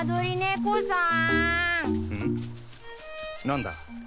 何だ？